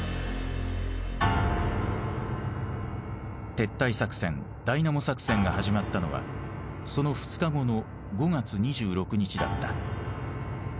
撤退作戦ダイナモ作戦が始まったのはその２日後の５月２６日だった。